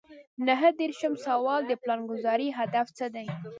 نهه دېرشم سوال د پلانګذارۍ هدف څه دی.